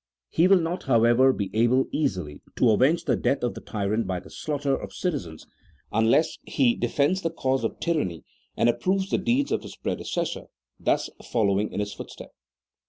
He will not, however, be able easily to avenge the death of the tyrant by the slaughter of citizens unless he defends the cause of tyranny and approves the deeds of his predecessor, thus following in his footsteps.